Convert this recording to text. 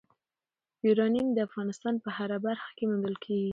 یورانیم د افغانستان په هره برخه کې موندل کېږي.